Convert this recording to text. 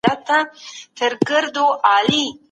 د شپې په نهه بجو جګړه پای ته ورسېده.